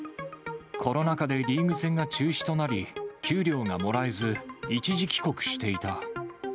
コロナ禍でリーグ戦が中止となり、給料がもらえず、一時帰国していた。